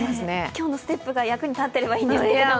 今日のステップが役に立っていればいいんですけど。